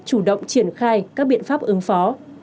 chủ động triển khai các biện pháp ứng phó